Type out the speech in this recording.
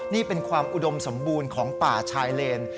นี่เป็นความอุดมสมบูรณ์ของป่าชายเลน